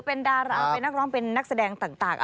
เป็นดาราเป็นนักร้องเป็นนักแสดงต่าง